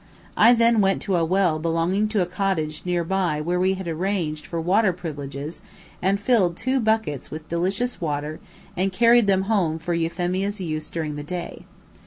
I then went to a well belonging to a cottage near by where we had arranged for water privileges, and filled two buckets with delicious water and carried them home for Euphemia's use through the day.